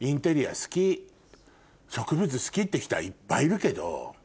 好き植物好きって人はいっぱいいるけど。